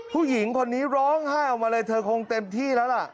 ผู้หญิงคนนี้ร้องไห้ออกมาเลยเธอคงเต็มที่แล้วล่ะ